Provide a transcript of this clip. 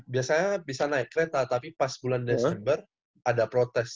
biasanya bisa naik kereta tapi pas bulan desember ada protes